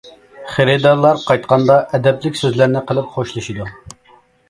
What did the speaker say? خېرىدارلار قايتقاندا ئەدەپلىك سۆزلەرنى قىلىپ خوشلىشىدۇ.